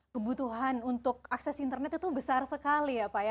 kebutuhan untuk akses internet itu besar sekali pak